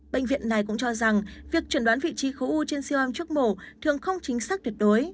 bệnh viện này cũng cho rằng việc chuẩn đoán vị trí khối u trên siêu âm trước mổ thường không chính xác tuyệt đối